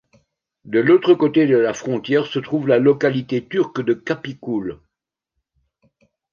De l'autre côté de la frontière se trouve la localité turque de Kapıkule.